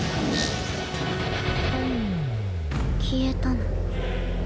消えたの。